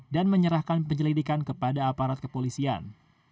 dan menyerahkan penyelidikan kepada aparat kepolisian